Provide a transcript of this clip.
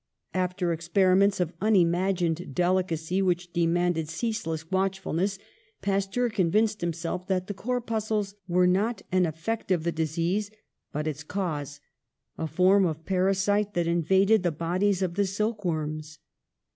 After ex periments of unimagined delicacy which de manded ceaseless watchfulness, Pasteur con vinced himself that the corpuscles were not an effect of the disease, but its cause, a form of parasite that invaded the bodies of the silk worms.